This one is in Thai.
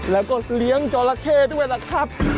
แล้วก็เลี้ยงจราเข้ด้วยล่ะครับ